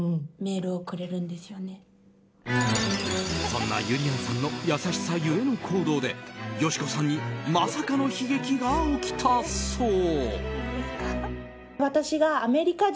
そんなゆりやんさんの優しさゆえの行動でよしこさんにまさかの悲劇が起きたそう。